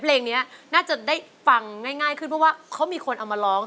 เพลงนี้น่าจะได้ฟังง่ายขึ้นเพราะว่าเขามีคนเอามาร้อง